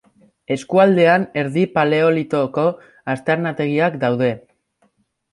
Eskualdean Erdi Paleolitoko aztarnategiak daude.